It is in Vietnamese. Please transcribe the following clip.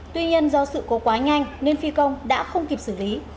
tuy nhiên do sự cố quá nhanh nên phi công đã không kịp xử lý